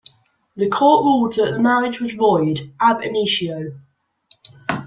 The Court ruled that the marriage was void "ab initio".